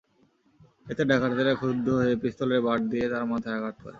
এতে ডাকাতেরা ক্ষুব্ধ হয়ে পিস্তলের বাঁট দিয়ে তাঁর মাথায় আঘাত করে।